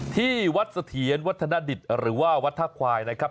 ที่วัดเสถียรวัฒนดิตหรือว่าวัดท่าควายนะครับ